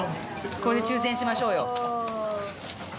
これで抽選しましょうよ。